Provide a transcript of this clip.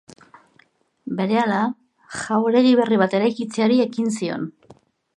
Berehala jauregi berri bat eraikitzeari ekin zion.